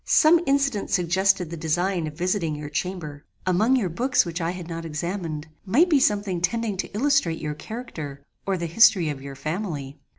Some incident suggested the design of visiting your chamber. Among your books which I had not examined, might be something tending to illustrate your character, or the history of your family.